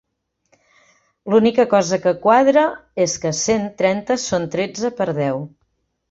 L'única cosa que quadra és que cent trenta són tretze per deu.